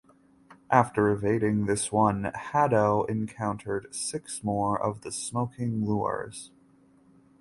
After evading this one, "Haddo" encountered six more of the smoking lures.